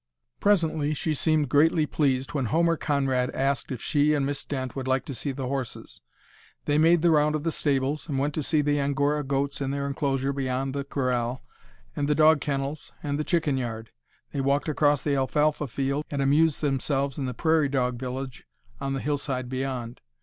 Presently she seemed greatly pleased when Homer Conrad asked if she and Miss Dent would like to see the horses. They made the round of the stables, and went to see the angora goats in their enclosure beyond the corral, and the dog kennels, and the chicken yard. They walked across the alfalfa field, and amused themselves in the prairie dog village on the hillside beyond.